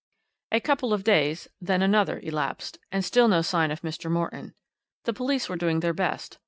"A couple of days, then another, elapsed, and still no sign of Mr. Morton. The police were doing their best.